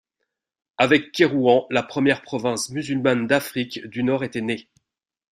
Avec Kairouan, la première province musulmane d’Afrique du Nord était née.